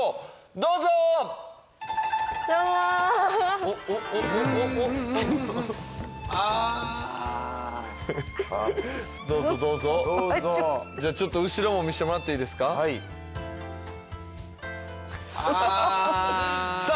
どうもああどうぞどうぞどうぞじゃちょっと後ろも見せてもらっていいですかああさあ